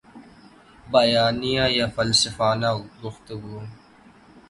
بیانیہ یا فلسفانہ گفتگو